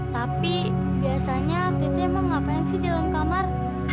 tapi biasanya tete emang ngapain sih di dalam kamar